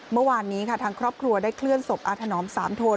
เมื่อวานนี้ค่ะทางครอบครัวได้เคลื่อนศพอาถนอมสามโทน